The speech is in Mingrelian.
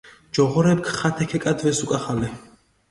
ჯოღორეფქ ხათე ქეკადვეს უკახალე.